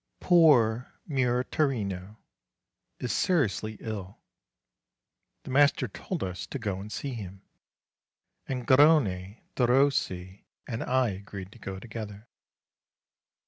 Poor "Muratorino" is seriously ill; the master told us to go and see him; and Garrone, Derossi, and I agreed to go together.